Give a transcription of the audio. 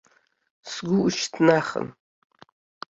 Сгәы ушьҭнахын.